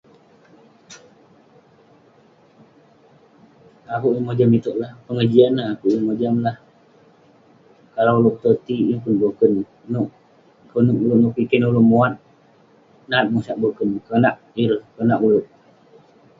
Akuek yeng mojam itueklah pongah jian neh akuek pongah neh pun nah kalau oleuk totik yeng pun boken neuk konep oleuk neuk piken oleuk muat nat pegosak boken konak ireh konak oluek